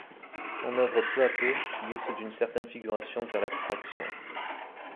Son œuvre peu à peu, glisse d'une certaine figuration vers l'abstraction.